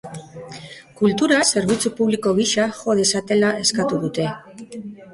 Kultura zerbitzu publiko gisa jo dezatela eskatu dute.